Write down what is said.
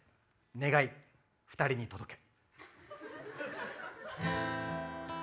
『願い２人に届け』。